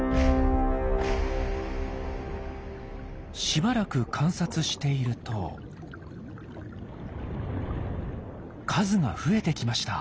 しばらく観察していると数が増えてきました。